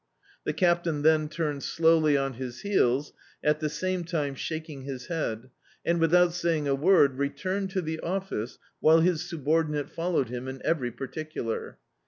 The Captain then turned slowly on his heels, at the same time shaking his head, and, without saying a word, returned to the office, while his subordinate followed him in every particular.